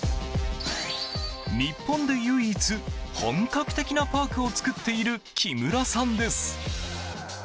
日本で唯一本格的なパークを作っている木村さんです。